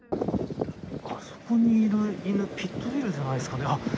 あそこにいる犬ピットブルじゃないですかね。